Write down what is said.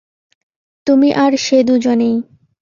তুমি আর সে দুজনেই।